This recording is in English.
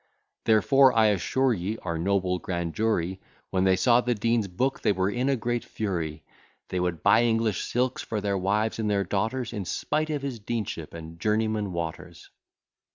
Therefore, I assure ye, Our noble grand jury, When they saw the Dean's book, they were in a great fury; They would buy English silks for their wives and their daughters, In spite of his deanship and journeyman Waters.